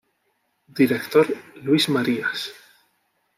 Director: Luis Marías.